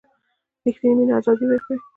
ریښتینې مینه آزادي ورکوي.